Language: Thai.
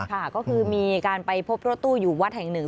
ค่ะก็คือมีการไปพบรถตู้อยู่วัดแห่งหนึ่ง